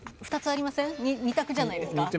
２択じゃないですか？